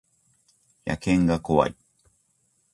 野犬が怖い